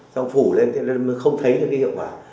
xong phủ lên cho nên không thấy được cái hiệu quả